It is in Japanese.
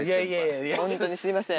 本当にすみません。